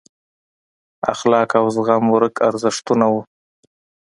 اخلاق او زغم ورک ارزښتونه وو.